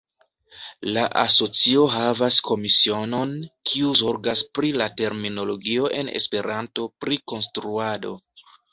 La asocio havas komisionon kiu zorgas pri la terminologio en Esperanto pri konstruado.